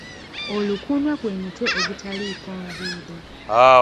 Olukuunwa gwe mutwe ogutaliiko nviiri.